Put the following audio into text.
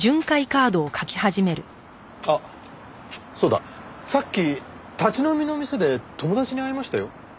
あっそうださっき立ち飲みの店で友達に会いましたよ。